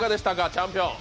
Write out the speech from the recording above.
チャンピオン。